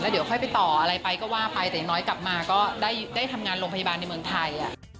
เดี๋ยวค่อยไปต่ออะไรไปก็ว่าไปแต่อย่างน้อยกลับมาก็ได้ทำงานโรงพยาบาลในเมืองไทย